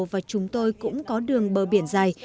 và chúng tôi cũng có đường bờ biển dài